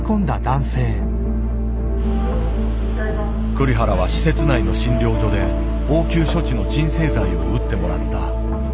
栗原は施設内の診療所で応急処置の鎮静剤を打ってもらった。